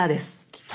きた。